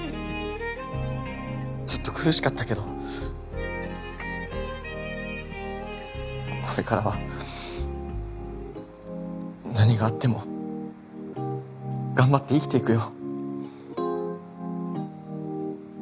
ずっと苦しかったけどこれからは何があっても頑張って生きていくよ